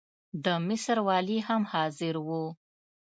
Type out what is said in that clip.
د مصر والي هم حاضر وو.